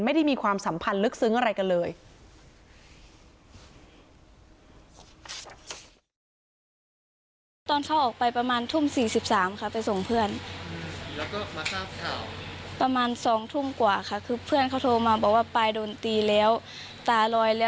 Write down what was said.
ไม่ได้มีความสัมพันธ์ลึกซึ้งอะไรกันเลย